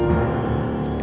aku harus ikhlaskan itu